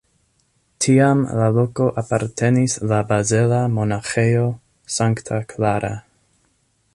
Tiam la loko apartenis la bazela Monaĥejo St. Clara.